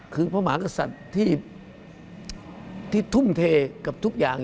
คือพระมหากษัตริย์ที่ทุ่มเทกับทุกอย่าง